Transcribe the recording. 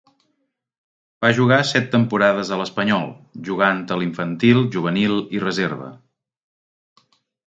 Va jugar set temporades a l'Espanyol, jugant a l'infantil, juvenil i reserva.